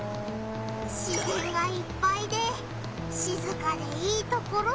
自ぜんがいっぱいでしずかでいいところだな！